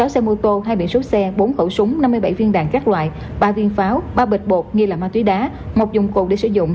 sáu xe mô tô hai biển số xe bốn khẩu súng năm mươi bảy viên đàn các loại ba viên pháo ba bịch bột ghi là ma túy đá một dụng cụ để sử dụng